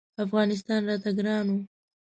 افغانستان راته ګران و.